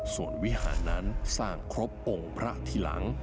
ส่วนวิหารนั้นสร้างครบองค์พระทีหลัง